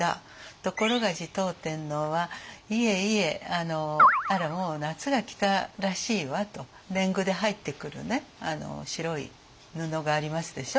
ところが持統天皇は「いえいえもう夏が来たらしいわ」と。年貢で入ってくる白い布がありますでしょ。